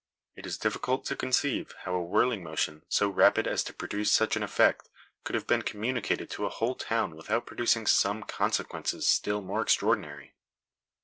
It is difficult to conceive how a whirling motion, so rapid as to produce such an effect, could have been communicated to a whole town without producing some consequences still more extraordinary."